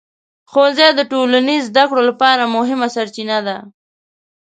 ښوونځي د ټولنیز زده کړو لپاره مهمه سرچینه ده.